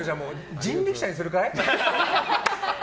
人力車にするかい？